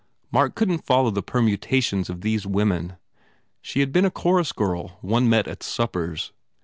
Mark couldn t follow the permutations of these women. She had been a chorus girl one met at suppers.